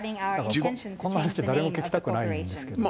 こんな話、誰も聞きたくないんですけど。